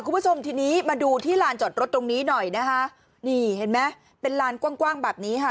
คุณผู้ชมทีนี้มาดูที่ลานจอดรถตรงนี้หน่อยนะคะนี่เห็นไหมเป็นลานกว้างกว้างแบบนี้ค่ะ